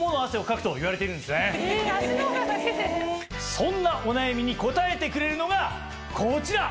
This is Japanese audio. そんなお悩みに答えてくれるのがこちら！